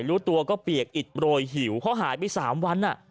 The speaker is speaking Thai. รู้ตัวก็เปียกอิดโรยหิวเขาหายไป๓วัน